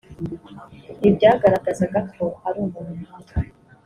ibi byagaragazaga ko ari umuntu nkatwe